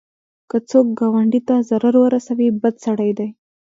که څوک ګاونډي ته ضرر ورسوي، بد سړی دی